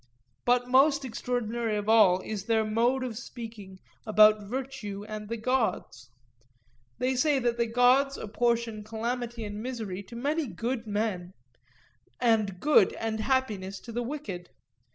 But most extraordinary of all is their mode of speaking about virtue and the gods: they say that the gods apportion calamity and misery to many good men, and good and happiness to the wicked.